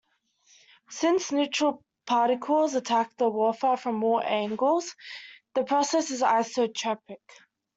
Since neutral particles attack the wafer from all angles, this process is isotropic.